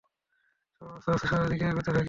চলুন, আস্তে আস্তে শহরের দিকে এগুতে থাকি।